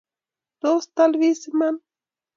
Tos tolbis iman?